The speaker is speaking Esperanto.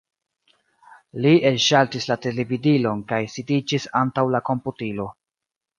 Li elŝaltis la televidilon kaj sidiĝis antaŭ la komputilo.